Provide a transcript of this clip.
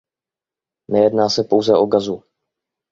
Nejedná se pouze o Gazu.